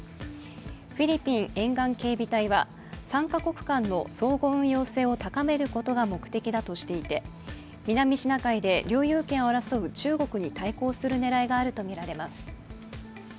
フィリピン沿岸警備隊は３か国間の相互運用性を高めることが目的だとしていて南シナ海で領有権を争う中国に対抗する狙いがあるとみられます。